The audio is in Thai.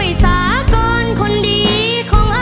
ยังไว้สาก่อนคนดีของอาย